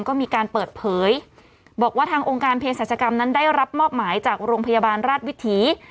ก็มีการเปิดเผยบอกว่าทางองค์การเพศรัชกรรมนั้นได้รับมอบหมายจากโรงพยาบาลราชวิถี